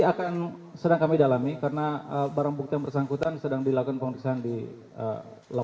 akan sedang kami dalami karena barang bukti yang bersangkutan sedang dilakukan pemeriksaan di lapangan